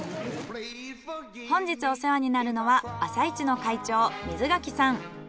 本日お世話になるのは朝市の会長水柿さん。